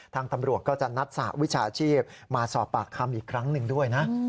ทางตำรวจก็จะนัดสหวิชาชีพมาสอบปากคำอีกครั้งหนึ่งด้วยนะ